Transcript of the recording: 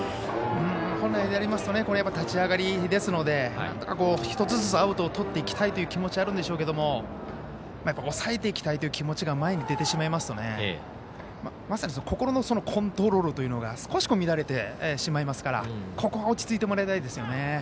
本来でありますと立ち上がりですのでなんとか、１つずつアウトをとっていきたい気持ちあるんでしょうが抑えていきたいという気持ちが前に出てしまいますとまさに心のコントロールというのが少し乱れてしまいますから心落ち着いてもらいたいですよね。